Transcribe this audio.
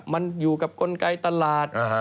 มันอยู่กับกลไกตลาด